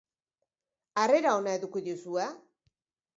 Harrera ona eduki duzue?